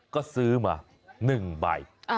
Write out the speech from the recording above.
ก็ซื้อมา๑ใบ